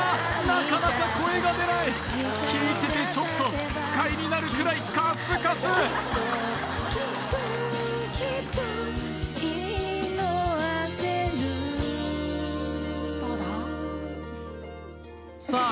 なかなか声が出ない聴いててちょっと不快になるくらいカッスカスさあ